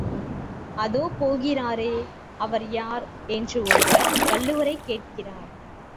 அதோ போகிறாரே, அவர் யார்? என்று ஒருவர் வள்ளுவரைக் கேட்கிறார்.